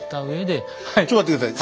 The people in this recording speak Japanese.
ちょっと待って下さい。